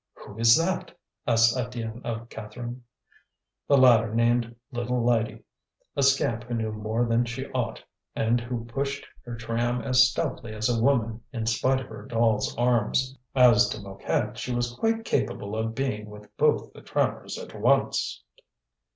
"Who is that?" asked Étienne of Catherine. The latter named little Lydie, a scamp who knew more than she ought, and who pushed her tram as stoutly as a woman in spite of her doll's arms. As to Mouquette, she was quite capable of being with both the trammers at once.